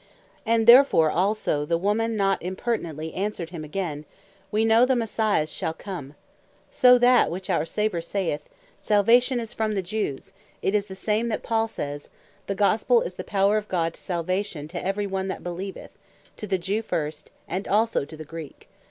And therefore also the woman not impertinently answered him again, "We know the Messias shall come." So that which our saviour saith, "Salvation is from the Jews," is the same that Paul sayes (Rom. 1.16,17.) "The Gospel is the power of God to Salvation to every one that beleeveth; To the Jew first, and also to the Greek.